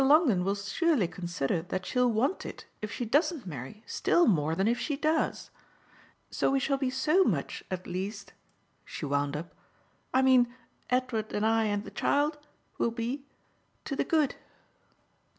Longdon will surely consider that she'll want it if she doesn't marry still more than if she does. So we shall be SO much at least," she wound up "I mean Edward and I and the child will be to the good."